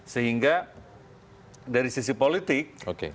sehingga dari sisi politik